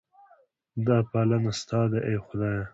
دا پالنه ستا ده ای خدایه.